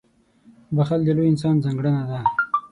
• بښل د لوی انسان ځانګړنه ده.